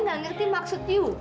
ay gak ngerti maksud yuk